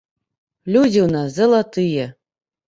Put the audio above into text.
Людзі ў нас залатыя.